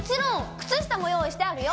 靴下も用意してあるよ！